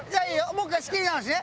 もう１回仕切り直しね。